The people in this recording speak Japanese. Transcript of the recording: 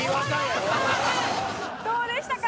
どうでしたか？